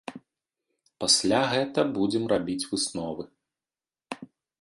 Пасля гэта будзем рабіць высновы.